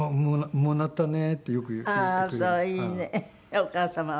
お母様はね。